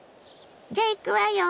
じゃいくわよ。